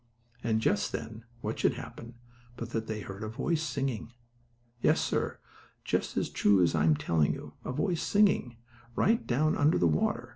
And just then, what should happen, but that they heard a voice singing. Yes, sir, just as true as I'm telling you, a voice singing, right down under the water.